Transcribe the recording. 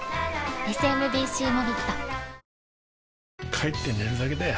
帰って寝るだけだよ